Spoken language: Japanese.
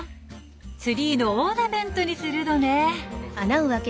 ツリーのオーナメントにするのね。